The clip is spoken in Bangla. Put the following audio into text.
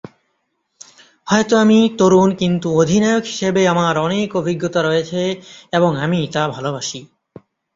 হয়তো আমি তরুণ কিন্তু অধিনায়ক হিসেবে আমার অনেক অভিজ্ঞতা রয়েছে এবং আমি তা ভালোবাসি।